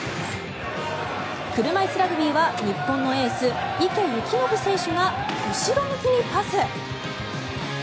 車いすラグビーは日本のエース、池透暢選手が後ろ向きにパス。